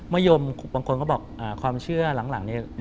ยมบางคนก็บอกความเชื่อหลังเนี่ย